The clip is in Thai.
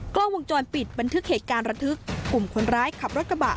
กล้องวงจรปิดบันทึกเหตุการณ์ระทึกกลุ่มคนร้ายขับรถกระบะ